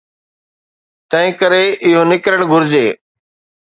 تنهنڪري اهو نڪرڻ گهرجي.